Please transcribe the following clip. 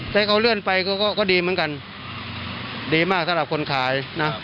ถ้าเขาเลื่อนไปก็ดีเหมือนกันดีมากสำหรับคนขายนะ